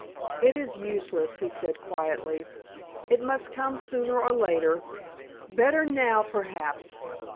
"It is useless," he said, quietly; "it must come sooner or later better now perhaps.